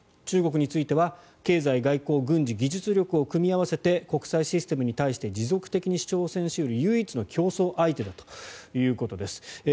中国については経済、外交、軍事、技術力を組み合わせて国際システムに対して持続的に挑戦し得る唯一の競争相手だということです。